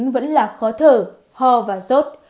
vẫn là khó thở ho và rốt